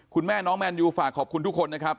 คุณแม่น้องแมนยูฝากขอบคุณทุกคนนะครับ